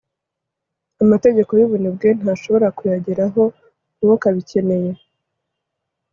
amategeko y'ubunebwe: ntashobora kuyageraho. ntukabikeneye